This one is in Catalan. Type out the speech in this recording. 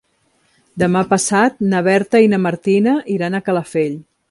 Demà passat na Berta i na Martina iran a Calafell.